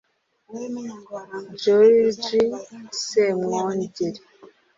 George Ssemwogere